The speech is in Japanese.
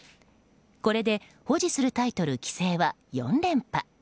これで保持するタイトル、棋聖は４連覇。